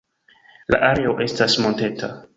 La areo estas monteta.